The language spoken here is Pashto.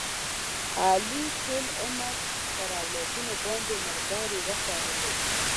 علي ټول عمر په اولادونو باندې مردارې وخوړلې.